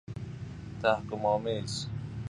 تحکم آمیز